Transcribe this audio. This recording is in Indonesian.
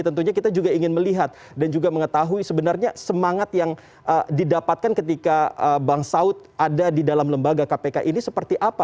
tentunya kita juga ingin melihat dan juga mengetahui sebenarnya semangat yang didapatkan ketika bang saud ada di dalam lembaga kpk ini seperti apa